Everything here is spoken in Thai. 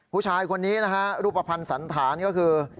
ผู้ชายคนนี้นะฮะรูปภัณฑ์สันธารก็คือ